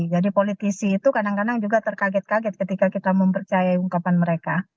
jadi politisi itu kadang kadang juga terkaget kaget ketika kita mempercayai ungkapan mereka